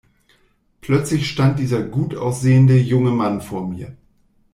Plötzlich stand dieser gut aussehende, junge Mann vor mir.